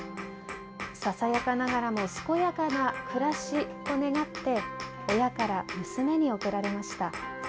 ささやかながらも健やかな暮らしを願って親から娘に贈られました。